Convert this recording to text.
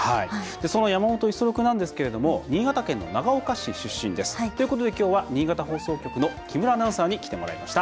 その山本五十六なんですけれども新潟県の長岡市出身です。ということで今日は新潟放送局の木村アナウンサーに来てもらいました。